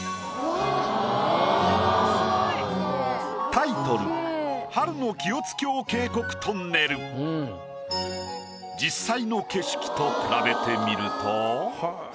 タイトル実際の景色と比べてみると。